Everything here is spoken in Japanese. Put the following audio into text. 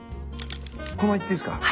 このままいっていいっすか？